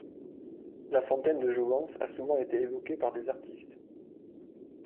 La fontaine de Jouvence a souvent été évoquée par des artistes.